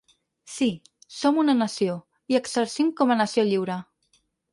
Sí, som una nació, i exercim com a nació lliure.